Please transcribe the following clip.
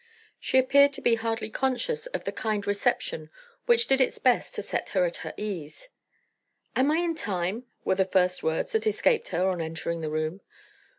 She appeared to be hardly conscious of the kind reception which did its best to set her at her ease. "Am I in time?" were the first words that escaped her on entering the room.